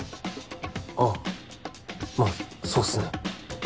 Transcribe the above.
あまぁそうっすね。